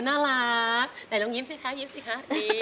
น่ารักไหนลองยิ้มสิคะยิ้มสิคะยิ้ม